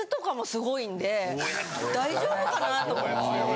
大丈夫かな？と思いますけどね。